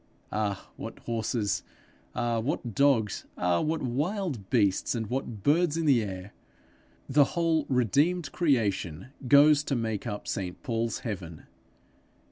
Ah, what horses! Ah, what dogs! Ah, what wild beasts, and what birds in the air! The whole redeemed creation goes to make up St Paul's heaven.